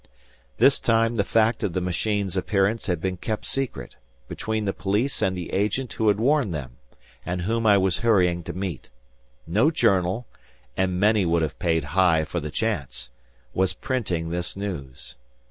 This time the fact of the machine's appearance had been kept secret, between the police and the agent who had warned them, and whom I was hurrying to meet. No journal—and many would have paid high for the chance—was printing this news.